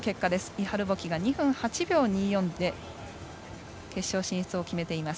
イハル・ボキが２分８秒２４で決勝進出を決めています。